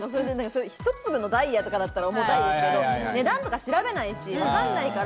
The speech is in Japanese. １粒のダイヤとかだったら重たいですけど、値段とか調べないし、わかんないから。